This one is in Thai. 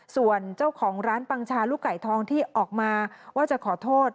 ส่วนเจ้าของร้านปังชาลูกไก่ทองที่ออกมาว่าจะขอโทษ